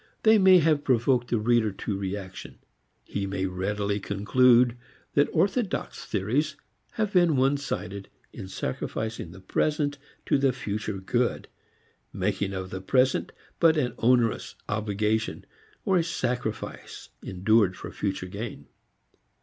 They may have provoked the reader to reaction. He may readily concede that orthodox theories have been onesided in sacrificing the present to future good, making of the present but an onerous obligation or a sacrifice endured for future gain.